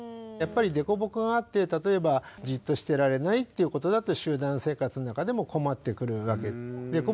やっぱり凸凹があって例えばじっとしてられないということだと集団生活の中でも困ってくるわけで。